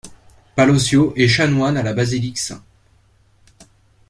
Palosio est chanoine à la basilique St.